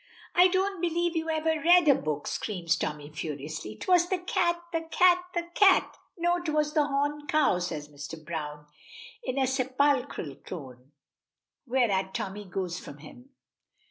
"I don't believe you ever read a book," screams Tommy furiously. "'Twas the cat the cat the cat!" "No; 'twas the horned cow," says Mr. Browne, in a sepulchral tone, whereat Tommy goes for him.